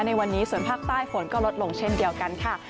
ในวันนี้ส่วนภาคใต้ฝนก็ลดลงเช่นเดียวกันค่ะ